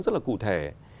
rất là cụ thể